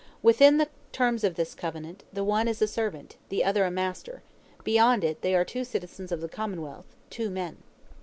Within the terms of this covenant, the one is a servant, the other a master; beyond it they are two citizens of the commonwealth two men.